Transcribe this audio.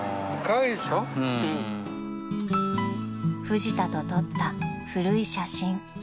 ［フジタと撮った古い写真］